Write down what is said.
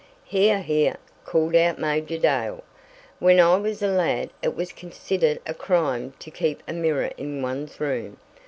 "Here, here!" called out Major Dale. "When I was a lad it was considered a crime to keep a mirror in one's room.